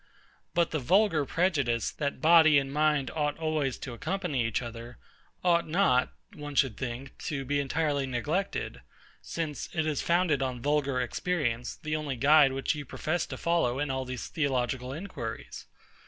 But the vulgar prejudice, that body and mind ought always to accompany each other, ought not, one should think, to be entirely neglected; since it is founded on vulgar experience, the only guide which you profess to follow in all these theological inquiries.